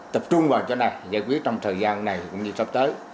tập trung vào chỗ này giải quyết trong thời gian này cũng như sắp tới